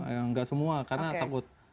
yang nggak semua karena takut